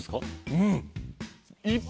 うん。